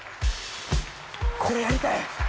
これやりたい！